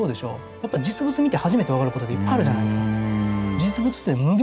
やっぱ実物見て初めて分かることっていっぱいあるじゃないですか。